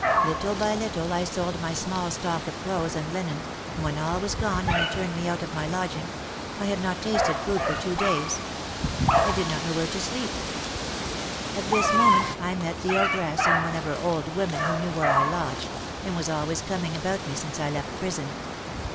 Little by little I sold my small stock of clothes and linen, and when all was gone they turned me out of my lodging. I had not tasted food for two days; I did not know where to sleep. At this moment I met the ogress and one of her old women who knew where I lodged, and was always coming about me since I left prison.